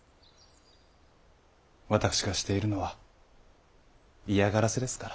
私がしているのは嫌がらせですから。